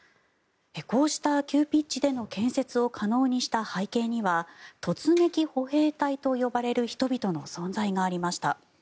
こうした急ピッチでの建設を可能にした背景には突撃歩兵隊と呼ばれる人々の存在がありました。